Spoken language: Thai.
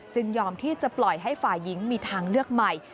ยอมที่จะปล่อยให้ฝ่ายหญิงมีทางเลือกใหม่